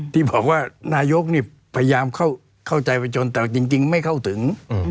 ที่บอกว่านายกนี่พยายามเข้าใจประจนแต่จริงไม่เข้าถึง